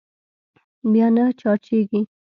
بيا نه چارجېږي.